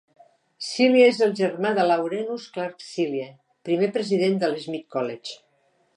Seelye és el germà de Laurenus Clark Seelye, primer president del Smith College.